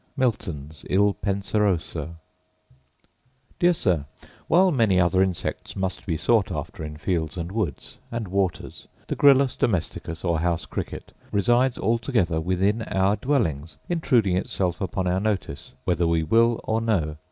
MILTON'S Il Penseroso. Dear Sir, While many other insects must be sought after in fields and woods, and waters, the gryllus domesticus, or house cricket, resides altogether within our dwellings, intruding itself upon our notice whether we will or no.